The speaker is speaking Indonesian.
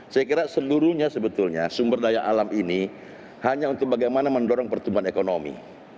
saya kira seluruhnya sebetulnya sumber daya alam ini hanya untuk bagaimana mendorong pertumbuhan ekonomi